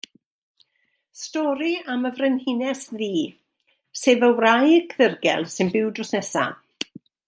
Stori am y Frenhines Ddu, sef y wraig ddirgel sy'n byw drws nesa.